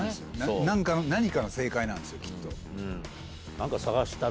何かの正解なんですよきっと。